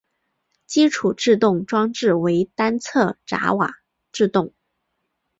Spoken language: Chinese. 基础制动装置为单侧闸瓦制动。